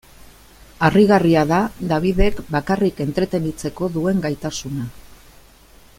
Harrigarria da Dabidek bakarrik entretenitzeko duen gaitasuna.